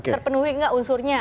terpenuhi nggak unsurnya